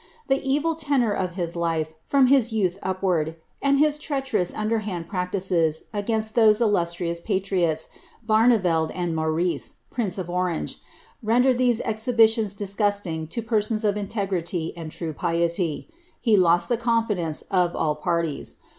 The evil tenour of his life, from his youth upward, and his treacherous un derhand practices against those illustrious patriots, Barneveldt and Mau rice, prince of Orange, rendered these exhibitions disgusting to persons of integrity and true piety. He lost the confidence of all parties.